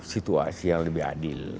situasi yang lebih adil